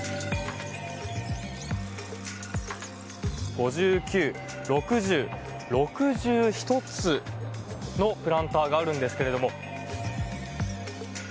５９、６０、６１つのプランターがあるんですが。